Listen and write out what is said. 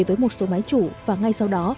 với một số máy chủ và ngay sau đó